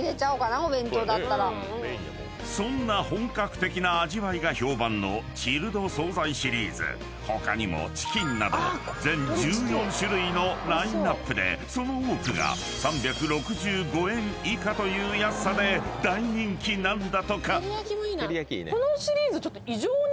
［そんな本格的な味わいが評判のチルド惣菜シリーズ］［他にもチキンなど全１４種類のラインアップでその多くが３６５円以下という安さで大人気なんだとか］